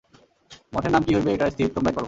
মঠের নাম কি হইবে এইটা স্থির তোমরাই কর।